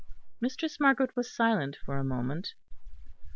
Mistress Margaret was silent for a moment.